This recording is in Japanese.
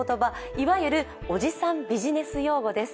いわゆるおじさんビジネス用語です。